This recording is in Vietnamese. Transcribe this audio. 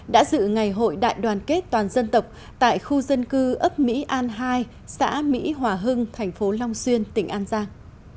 đã dự ngày hội đại đoàn kết toàn dân tộc tại khu dân cư ấp mỹ an hai xã mỹ hòa hưng thành phố long xuyên tỉnh an giang